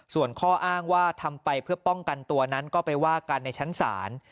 ส่วนข้ออ้างว่าทำไปเพื่อป้องกันตัวนั้นก็ไปว่ากันในชั้นศาล